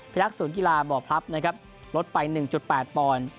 พยักษ์ศูนย์กีฬาบ่อพลับลดไป๑๘ปอนดิ์